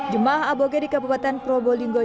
jemaah aboge di kabupaten probolinggo